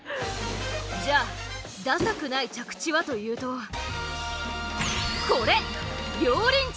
じゃあダサくない着地はというとこれ！